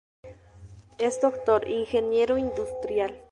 Es doctor Ingeniero Industrial.